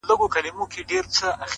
لکه زما زړه; يو داسې بله هم سته;